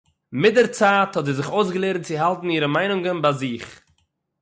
מיט דער צייט האָט זי זיך אויסגעלערנט צו האַלטן אירע מיינונגען ביי זיך